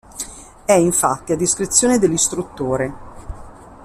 È, infatti, a discrezione dell'istruttore.